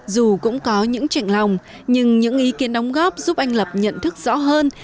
dù cũng có những chạy lòng nhưng những ý kiến đóng góp giúp anh lập nhận thức rõ hơn